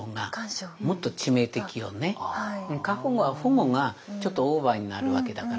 過保護は保護がちょっとオーバーになるわけだから。